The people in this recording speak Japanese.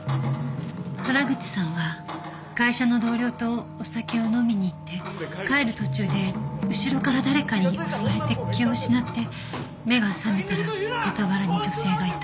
原口さんは会社の同僚とお酒を飲みに行って帰る途中で後ろから誰かに襲われて気を失って目が覚めたら傍らに女性がいた。